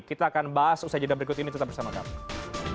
kita akan bahas usai jeda berikut ini tetap bersama kami